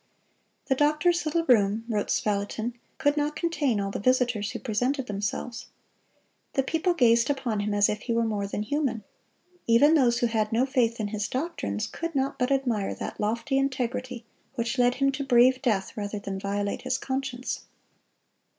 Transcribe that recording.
"The doctor's little room," wrote Spalatin, "could not contain all the visitors who presented themselves."(231) The people gazed upon him as if he were more than human. Even those who had no faith in his doctrines, could not but admire that lofty integrity which led him to brave death rather than violate his conscience.